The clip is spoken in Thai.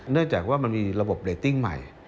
เนื่องจากว่ามันมีระบบเรตติ้งใหม่